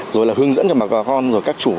rồi là hướng dẫn cho mặc bà con rồi các chủ